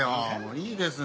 いいですね